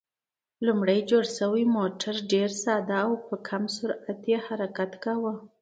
لومړی جوړ شوی موټر ډېر ساده و او په کم سرعت یې حرکت کاوه.